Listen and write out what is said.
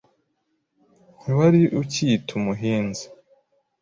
Ntiwari ukiyita umuhinza